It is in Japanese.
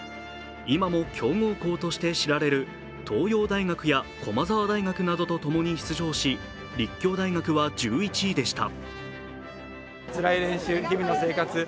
今も強豪校として知られる東洋大学や駒沢大学などと共に出場し、立教大学は１１位でした。